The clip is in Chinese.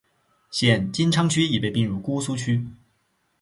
现金阊区已被并入姑苏区。